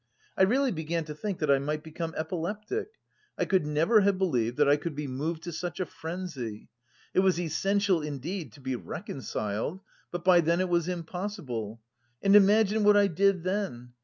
I really began to think that I might become epileptic. I could never have believed that I could be moved to such a frenzy. It was essential, indeed, to be reconciled, but by then it was impossible. And imagine what I did then!